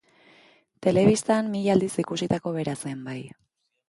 Telebistan mila aldiz ikusitako bera zen, bai.